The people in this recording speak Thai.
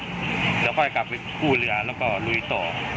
เดี๋ยวค่อยกลับไปกู้เรือแล้วก็ลุยต่อ